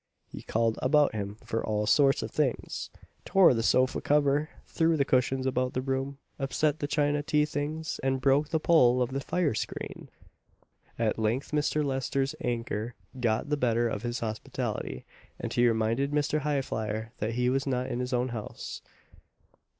He called about him for all sorts of things, tore the sofa cover, threw the cushions about the room, upset the china tea things, and broke the pole of the fire screen! At length Mr. Lester's anger got the better of his hospitality, and he reminded Mr. Highflyer that he was not in his own house.